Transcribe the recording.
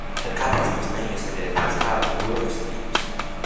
Tad kāpēc mums neieskriet pēc kādas burvestības?